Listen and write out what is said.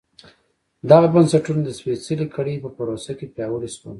دغه بنسټونه د سپېڅلې کړۍ په پروسه کې پیاوړي شول.